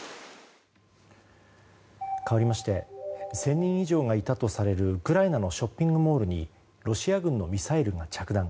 かわりまして１０００人以上がいたとされるウクライナのショッピングモールにロシア軍のミサイルが着弾。